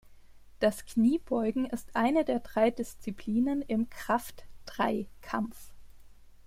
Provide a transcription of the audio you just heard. Das Kniebeugen ist eine der drei Disziplinen im Kraftdreikampf.